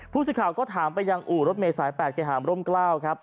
ผู้สิทธิ์ข่าวก็ถามไปยังอู่รถเมฆสาย๘สายหามร่ม๙ครับ